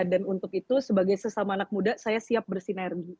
dan untuk itu sebagai sesama anak muda saya siap bersinergi